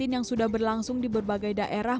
yang sudah berlangsung di berbagai daerah